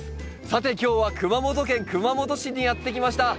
さて今日は熊本県熊本市にやって来ました。